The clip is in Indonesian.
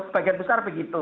sebagian besar begitu